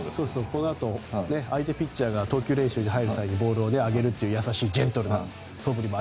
このあと相手ピッチャーが投球練習に入る際にボールをあげるという優しいジェントルな場面も。